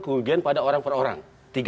kerugian pada orang per orang